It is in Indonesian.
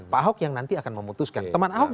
pak ahok yang nanti akan memutuskan teman ahok